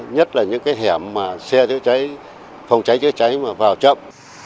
nhất là những cái hẻm mà xe chữa cháy phòng cháy chữa cháy mà vào chậm